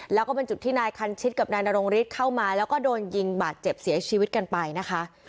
แล้วก็เป็นจุดที่นายคันชิดกับนายนรงฤทธิ์เข้ามาแล้วก็โดนยิงบาดเจ็บเสียชีวิตกันไปนะคะ